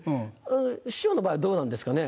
師匠の場合はどうなんですかね？